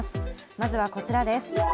まずはこちらです。